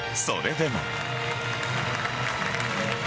それでも。